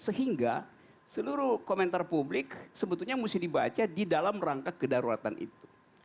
sehingga seluruh komentar publik sebetulnya mesti dibaca di dalam rangka kedaruratan itu